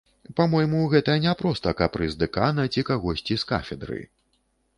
Па-мойму, гэта не проста капрыз дэкана ці кагосьці з кафедры.